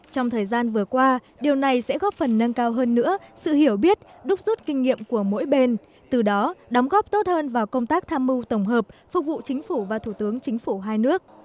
trong thời gian vừa qua điều này sẽ góp phần nâng cao hơn nữa sự hiểu biết đúc rút kinh nghiệm của mỗi bên từ đó đóng góp tốt hơn vào công tác tham mưu tổng hợp phục vụ chính phủ và thủ tướng chính phủ hai nước